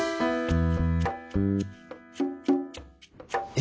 え？